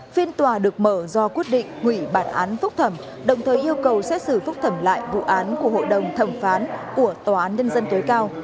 phiên tòa được mở do quyết định hủy bản án phúc thẩm đồng thời yêu cầu xét xử phúc thẩm lại vụ án của hội đồng thẩm phán của tòa án nhân dân tối cao